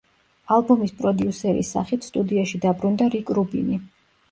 ალბომის პროდიუსერის სახით სტუდიაში დაბრუნდა რიკ რუბინი.